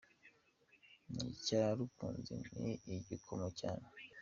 Ni cya rukunduzi ni ikigome cyane.